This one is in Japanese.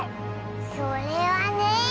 それはね。